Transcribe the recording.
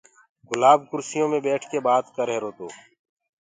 گُلآب ڪُرسيو مي ٻيٺڪي بآت ڪريهروتو